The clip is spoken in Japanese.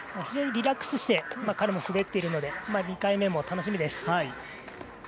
非常にリラックスして彼も滑っているので２回目も楽しみです。